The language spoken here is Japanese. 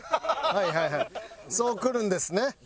はいはいはいそうくるんですね。